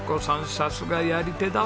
さすがやり手だわ！